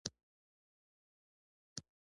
کچالو سره مستې ښه خوري